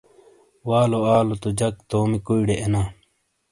والو آلو تو جک تومی کُویئڑے اینا۔